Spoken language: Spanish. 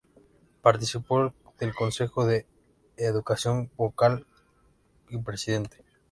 Participó del Consejo de Educación como vocal y presidente.